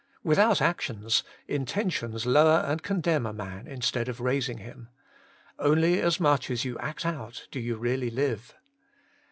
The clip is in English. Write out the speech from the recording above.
Without actions, intentions lower and con demn a man instead of raising him. Only as much as you act out, do you really live.